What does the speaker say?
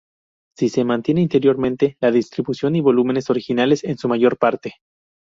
Sí se mantienen interiormente la distribución y volúmenes originales en su mayor parte.